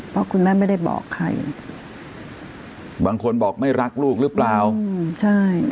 เพราะคุณแม่ไม่ได้บอกใครบางคนบอกไม่รักลูกหรือเปล่าอืมใช่